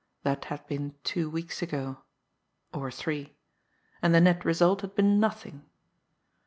That had been two weeks ago or three. And the net result had been nothing!